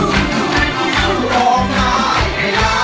ร้องได้ให้ร้อง